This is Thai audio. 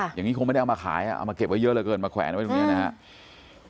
อย่างนี้คงไม่ได้เอามาขายเอามาเก็บไว้เยอะเหลือเกินมาแขวนไว้ตรงนี้นะครับ